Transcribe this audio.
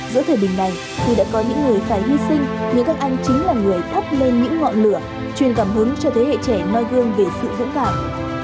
giữa thời bình này khi đã có những người phải hy sinh nhưng các anh chính là người thắp lên những ngọn lửa truyền cảm hứng cho thế hệ trẻ noi gương về sự dũng cảm